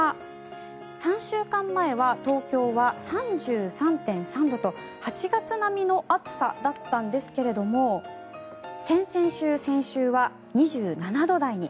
３週間前は東京は３３．３度と８月並みの暑さだったんですが先々週、先週は２７度台に。